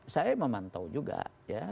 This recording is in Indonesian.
saya memantau juga ya